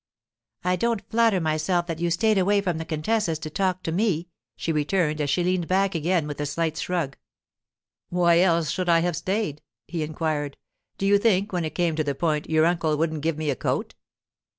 'I don't flatter myself that you stayed away from the contessa's to talk to me,' she returned as she leaned back again with a slight shrug. 'Why else should I have stayed?' he inquired. 'Do you think, when it came to the point, your uncle wouldn't give me a coat?